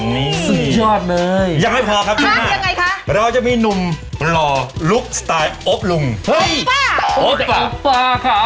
นี่ยังไม่พอครับใช่ไหมฮะเราจะมีหนุ่มหลอลุคสไตล์โอ๊ปลุงเฮ้ยโอปเป้า